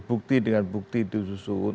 bukti dengan bukti disusun